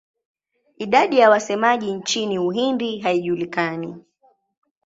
Idadi ya wasemaji nchini Uhindi haijulikani.